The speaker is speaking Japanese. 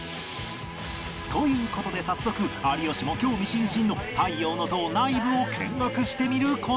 という事で早速有吉も興味津々の太陽の塔内部を見学してみる事に！